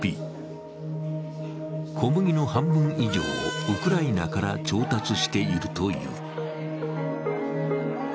小麦の半分以上をウクライナから調達しているという。